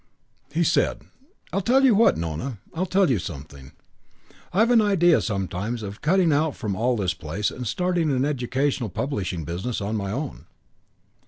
He said, "I tell you what, Nona. I'll tell you something. I've an idea sometimes of cutting out from all this place and starting an educational publishing business on my own."